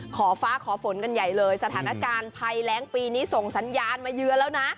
ขอฟ้าขอฝนกันใหญ่เลยสถานการณ์ภัยแรงปีนี้ส่งสัญญาณมาเยือนแล้วนะ